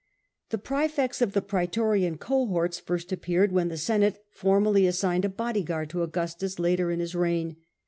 The praefects of the praetorian cohorts first appeared when the Senate formally assigned a body guard to Augustus later in his reign.